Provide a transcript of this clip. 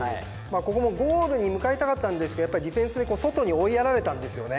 ここもゴールに向かいたかったんですけどディフェンスに外に追いやられたんですよね。